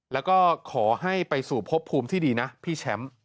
แล้วก็ขอให้ไปสู่พบภูมิที่ดีนะพี่แชมป์